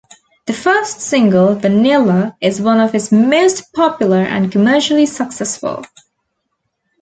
The first single "Vanilla" is one of his most popular and commercially successful.